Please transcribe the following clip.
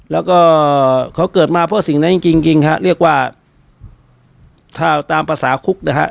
แล้วก็เขาเกิดมาเพราะสิ่งนั้นจริงจริงฮะเรียกว่าถ้าตามภาษาคุกนะฮะ